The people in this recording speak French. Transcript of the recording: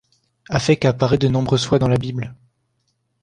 Afek apparaît de nombreuses fois dans la Bible.